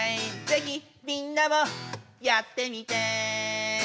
「ぜひみんなもやってみて！」